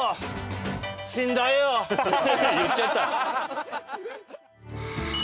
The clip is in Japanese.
言っちゃった。